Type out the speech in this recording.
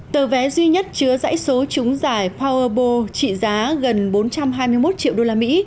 tờ vé duy nhất chứa giải số trúng giải powerball trị giá gần bốn trăm hai mươi một triệu đô la mỹ